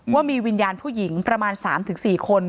ว่ามีวิญญาณผู้หญิงประมาณ๓๔คน